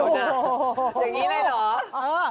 อย่างนี้ได้หรอ